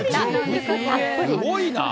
すごいな。